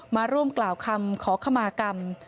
มาร่วมกล่าวคำขอขมากรรม